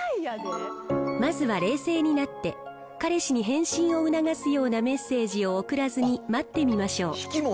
まずは冷静になって、彼氏に返信を促すようなメッセージを送らずに待ってみましょう。